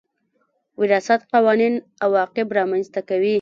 وراثت قوانين عواقب رامنځ ته کوي.